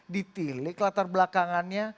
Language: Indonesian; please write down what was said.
ditilik latar belakangannya